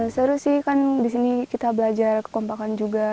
seru sih kan di sini kita belajar kekompakan juga